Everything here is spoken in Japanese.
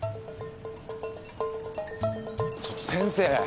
ちょっと先生。